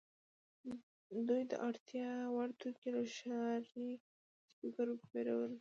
دوی د اړتیا وړ توکي له ښاري کسبګرو پیرل.